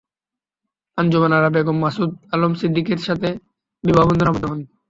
আঞ্জুমান আরা বেগম মাসুদ আলম সিদ্দিকীর সাথে বিবাহবন্ধনে আবদ্ধ হন।